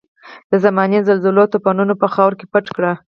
د زمانې زلزلو او توپانونو په خاورو کې پټ کړ.